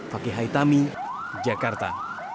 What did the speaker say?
fakih haitami jakarta